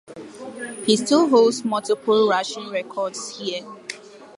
He still holds multiple rushing records there.